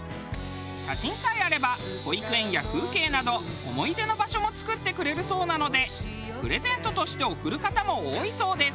写真さえあれば保育園や風景など思い出の場所も作ってくれるそうなのでプレゼントとして贈る方も多いそうです。